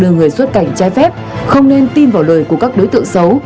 đưa người xuất cảnh trái phép không nên tin vào lời của các đối tượng xấu